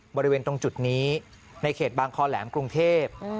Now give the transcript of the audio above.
บริเวณตรงจุดนี้ในเขตบางคอแหลมกรุงเทพ